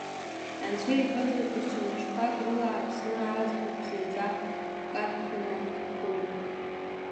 Анцәа иҳәозар, даҽа мышқәак рыла, Аԥсны аӡбахә зынӡа ҳкарта ианаҳхуеит.